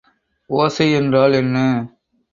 ஓசை என்றால் என்ன?